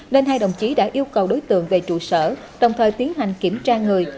nên hai đồng chí đã yêu cầu đối tượng về trụ sở đồng thời tiến hành kiểm tra người